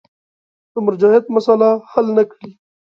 د مرجعیت مسأله حل نه کړي.